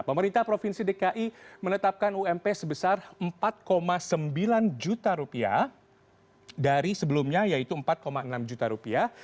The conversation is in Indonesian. pemerintah provinsi dki menetapkan ump sebesar empat sembilan juta rupiah dari sebelumnya yaitu empat enam juta rupiah